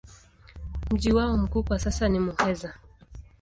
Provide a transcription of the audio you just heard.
Mji wao mkuu kwa sasa ni Muheza.